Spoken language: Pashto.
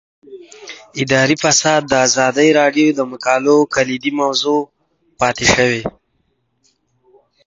اداري فساد د ازادي راډیو د مقالو کلیدي موضوع پاتې شوی.